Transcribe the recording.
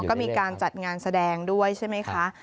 ก็มีการจัดงานแสดงด้วยใช่ไหมคะ